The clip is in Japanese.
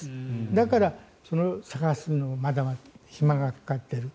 だから、それを探すのにまだまだ手間がかかってる。